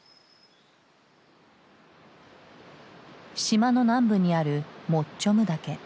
島の南部にあるモッチョム岳。